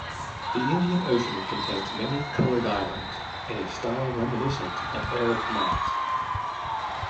The Indian Ocean contains many colored islands, in a style reminiscent of Arab maps.